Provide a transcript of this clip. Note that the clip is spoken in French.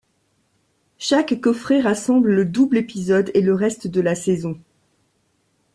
Chaque coffret rassemble le double épisode et le reste de la saison.